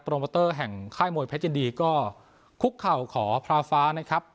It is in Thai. โปรมาตเตอร์แห่งไข้มวยแพ็ดยินดีก็คลุกเข่าขอพระฟ้านะครับ